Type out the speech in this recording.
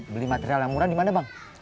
beli material yang murah di mana bang